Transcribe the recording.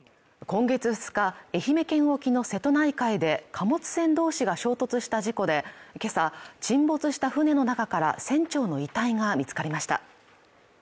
今月２日愛媛県沖の瀬戸内海で貨物船同士が衝突した事故でけさ沈没した船の中から船長の遺体が見つかりました